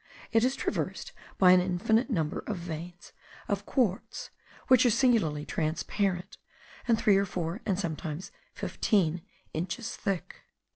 It is traversed by an infinite number of veins of quartz, which are singularly transparent, and three or four, and sometimes fifteen inches thick.